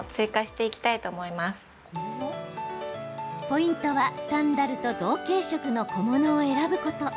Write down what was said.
ポイントは、サンダルと同系色の小物を選ぶこと。